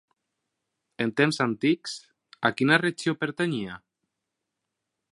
En temps antics, a quina regió pertanyia?